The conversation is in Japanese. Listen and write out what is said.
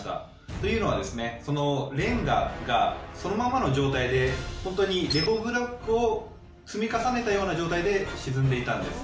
というのはそのレンガがそのままの状態でレゴブロックを積み重ねたような状態で沈んでいたんです。